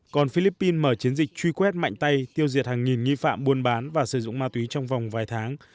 còn philippines mở chiến dịch truy quét mạnh tay tiêu diệt hàng nghìn nghi phạm buôn bán và sử dụng ma túy trong vòng vài tháng